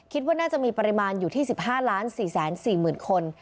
คิดว่าน่าจะมีปริมาณอยู่ที่๑๕๔๔๐๐๐คน